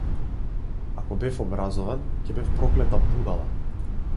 Ако бев образован, ќе бев проклета будала.